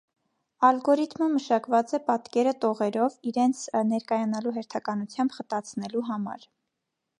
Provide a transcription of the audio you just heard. Ալգորիթմը մշակված է պատկերը տողերով, իրենց ներկայանալու հերթականությամբ խտացնելու համար։